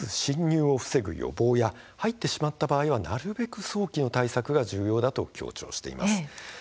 報告書ではまず侵入を防ぐ予防や入ってしまった場合はなるべく早期の対策が重要だと強調しています。